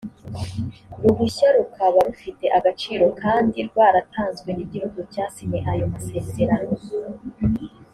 ruhushya rukaba rufite agaciro kandi rwaratanzwe n igihugu cyasinye ayo masezerano